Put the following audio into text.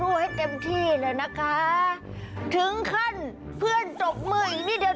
ให้เต็มที่เลยนะคะถึงขั้นเพื่อนตกมืออีกนิดเดียว